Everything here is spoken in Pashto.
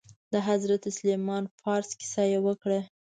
د حضرت سلمان فارس كيسه يې وكړه.